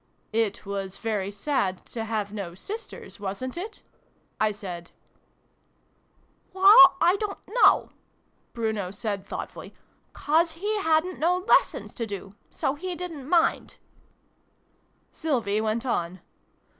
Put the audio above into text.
"It was very sad to have no sisters, wasn't it ?" I said. "Well, I don't know," Bruno said thought fully ;" 'cause he hadn't no lessons to do. So he didn't mind." Sylvie went on.